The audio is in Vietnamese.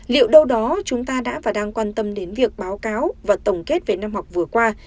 liệu đâu đó chúng ta đã và đang quan tâm đến việc báo cáo và tổng kết về năm học vừa qua